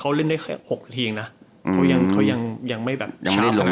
เขาเล่นได้แค่๖นาทียังไม่ไหลนอน